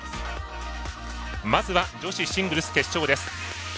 まずは女子シングルス決勝です。